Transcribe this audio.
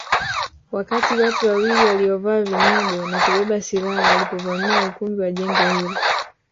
Wakati watu wawili waliovaa vinyago na kubeba silaha walipovamia ukumbi wa jengo hilo